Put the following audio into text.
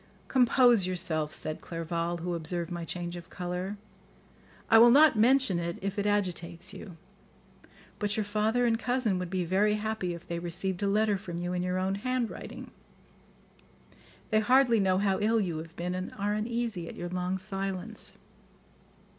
"Compose yourself," said Clerval, who observed my change of colour, "I will not mention it if it agitates you; but your father and cousin would be very happy if they received a letter from you in your own handwriting. They hardly know how ill you have been and are uneasy at your long silence."